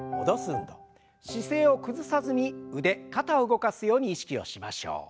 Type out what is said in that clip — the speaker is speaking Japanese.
姿勢を崩さずに腕肩を動かすように意識をしましょう。